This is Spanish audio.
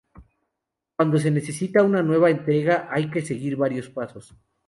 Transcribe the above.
Cuando se necesita una nueva entrega hay que seguir varios pasos.